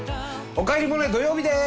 「おかえりモネ」土曜日です。